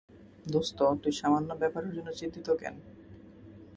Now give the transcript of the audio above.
দোস্ত, তুই সামান্য ব্যাপারের জন্য চিন্তিত কেন?